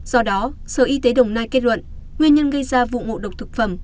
do đó sở y tế đồng nai kết luận nguyên nhân gây ra vụ ngộ độc thực phẩm